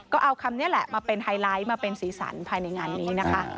ก็เอาคำนี้แหละมาเป็นไฮไลท์มาเป็นสีสันภายในงานนี้นะคะ